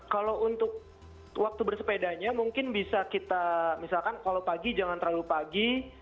kalau untuk waktu bersepedanya mungkin bisa kita misalkan kalau pagi jangan terlalu pagi